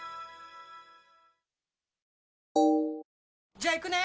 じゃあ行くね！